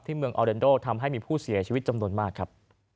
เมืองออเรนโดทำให้มีผู้เสียชีวิตจำนวนมากครับ